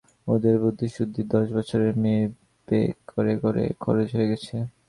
ওদের বুদ্ধিশুদ্ধি দশ বছরের মেয়ে বে করে করে খরচ হয়ে গেছে।